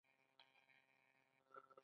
نیږدې د تیلو پمپ چېرته ده؟